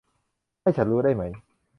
ให้ฉันรู้ได้ไหม